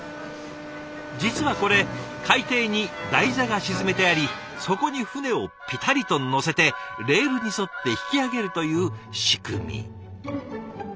実はこれ海底に台座が沈めてありそこに船をピタリと載せてレールに沿って引き揚げるという仕組み。